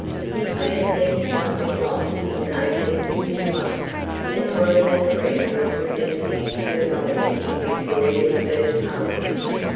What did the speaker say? He first entered public life in 1851, as one of the three representatives for Melbourne in Victoria's first Parliament.